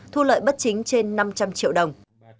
thu lợi bất chính trên năm trăm linh triệu đồng